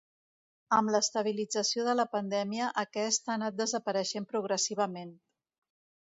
Amb l’estabilització de la pandèmia, aquest ha anat desapareixent progressivament.